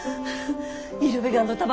イルベガンの卵。